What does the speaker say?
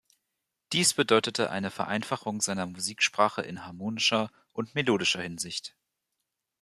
Dies bedeutete eine Vereinfachung seiner Musiksprache in harmonischer und melodischer Hinsicht.